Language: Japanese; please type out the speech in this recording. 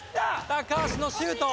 高橋のシュート。